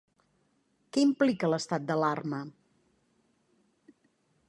Què implica l’estat d’alarma?